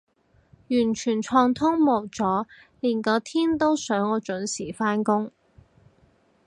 完全暢通無阻，連個天都想我準時返工